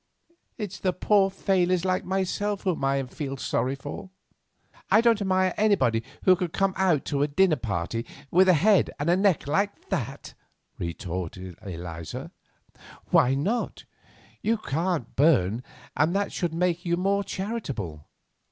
It's the poor failures like myself for whom I am so sorry." "I don't admire anybody who can come to out to a dinner party with a head and neck like that," retorted Eliza. "Why not? You can't burn, and that should make you more charitable.